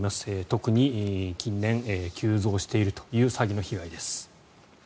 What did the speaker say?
特に近年、急増しているという詐欺の被害です。